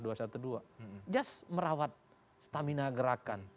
just merawat stamina gerakan